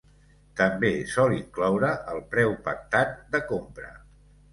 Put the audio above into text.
També sol incloure el preu pactat de compra.